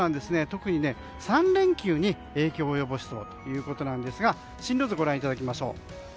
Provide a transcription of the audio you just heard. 特に、３連休に影響を及ぼしそうということですが進路図をご覧いただきましょう。